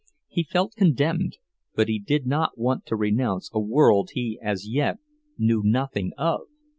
He felt condemned, but he did not want to renounce a world he as yet knew nothing of.